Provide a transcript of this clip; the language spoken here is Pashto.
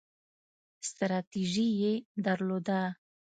ستراتیژي یې درلوده.